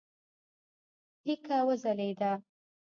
لیکه وځلېده.